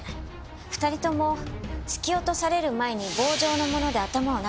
２人とも突き落とされる前に棒状のもので頭を殴られています。